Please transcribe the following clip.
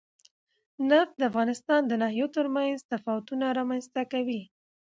نفت د افغانستان د ناحیو ترمنځ تفاوتونه رامنځ ته کوي.